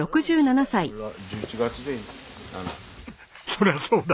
そりゃそうだ。